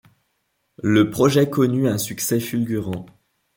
Le projet connut un succès fulgurant.